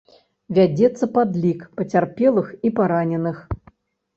Вядзецца падлік пацярпелых і параненых.